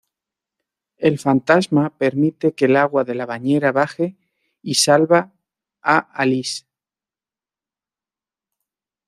El fantasma permite que el agua de la bañera baje y salva a Alice.